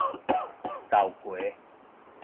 豆膎